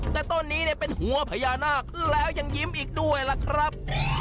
แต่ต้นนี้เนี่ยเป็นหัวพญานาคแล้วยังยิ้มอีกด้วยล่ะครับ